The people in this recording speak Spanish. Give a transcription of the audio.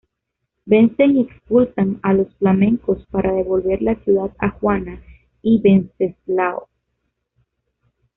Vencen y expulsan a los flamencos para devolver la ciudad a Juana y Venceslao.